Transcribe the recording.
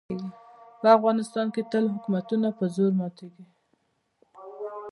په افغانستان کې تل حکومتونه په زور ماتېږي.